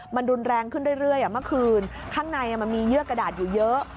มันรุนแรงขึ้นเรื่อยเมื่อคืนข้างในมันมีเยื่อกระดาษอยู่เยอะ